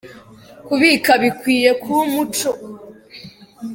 Kubika bikwiye kuba umuco.